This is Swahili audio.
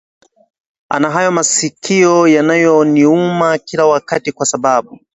ona haya masikio yanavyoniuma kila wakati kwa sababu